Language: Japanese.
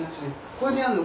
これでやるの？